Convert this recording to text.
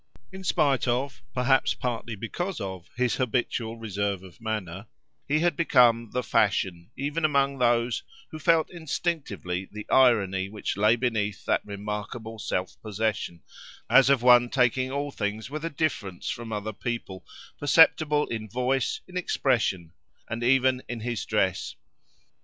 In spite of, perhaps partly because of, his habitual reserve of manner, he had become "the fashion," even among those who felt instinctively the irony which lay beneath that remarkable self possession, as of one taking all things with a difference from other people, perceptible in voice, in expression, and even in his dress.